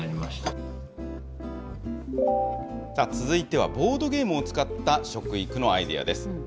続いては、ボードゲームを使った食育のアイデアです。